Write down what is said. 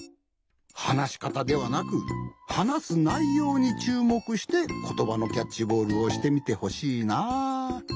はなしかたではなくはなすないようにちゅうもくしてことばのキャッチボールをしてみてほしいなあ。